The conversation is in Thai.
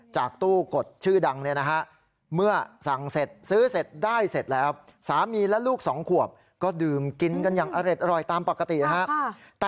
จากตู้กดชื่อดังนั้นนะฮะ